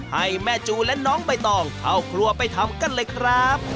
ให้แม่จูและน้องใบตองเข้าครัวไปทำกันเลยครับ